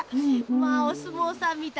まあおすもうさんみたい。